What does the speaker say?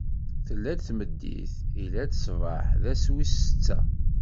Tella-d tmeddit, illa-d ṣṣbeḥ: d ass wis setta.